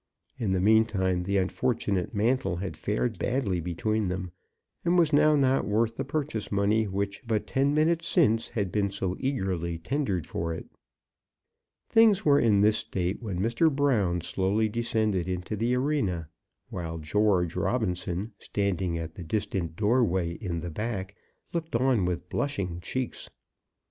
In the meantime the unfortunate mantle had fared badly between them, and was now not worth the purchase money which, but ten minutes since, had been so eagerly tendered for it. Things were in this state when Mr. Brown slowly descended into the arena, while George Robinson, standing at the distant doorway in the back, looked on with blushing cheeks.